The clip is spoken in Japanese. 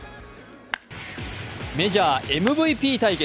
メジャーＭＶＰ対決。